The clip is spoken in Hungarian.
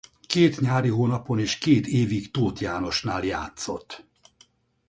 Két nyári hónapon és két évig Tóth Jánosnál játszott.